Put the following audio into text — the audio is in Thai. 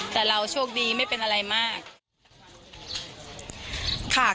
แต่เราโชคดีไม่เป็นอะไรมาก